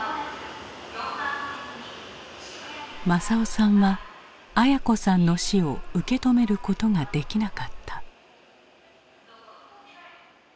政男さんは文子さんの死を受け止めることができなかった。